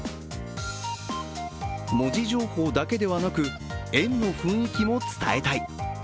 文字情報だけではなく、園の雰囲気も伝えたい。